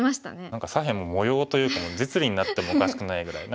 何か左辺も模様というかもう実利になってもおかしくないぐらい。